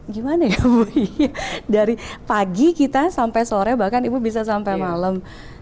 gimana ya bu dari pagi kita sampai sore bahkan ibu bisa sampai malam